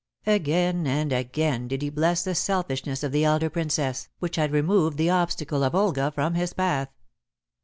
Again and again did he bless the selfishness of the elder Princess, which had removed the obstacle of Olga from his path.